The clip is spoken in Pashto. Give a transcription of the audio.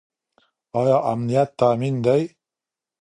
ايا امنيت تامين دی؟